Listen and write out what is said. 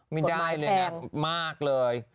มันตะลายเลยนะมากเลย